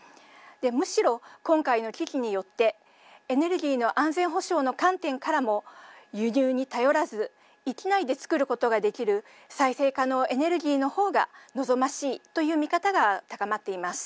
むしろ、今回の危機によってエネルギーの安全保障の観点からも輸入に頼らず域内でつくることができる再生可能エネルギーの方が望ましいという見方が高まっています。